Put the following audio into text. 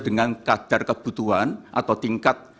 dengan kadar kebutuhan atau tingkat